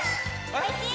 おいしい？